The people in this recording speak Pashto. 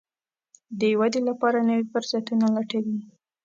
د ودې لپاره نوي فرصتونه لټوي.